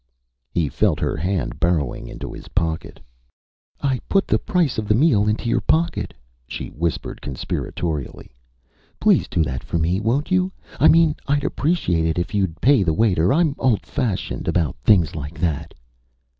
He felt her hand burrowing into his pocket. "I put the price of the meal into your pocket," she whispered conspiratorially. "Please do that for me, won't you? I mean I'd appreciate it if you'd pay the waiter I'm old fashioned about things like that."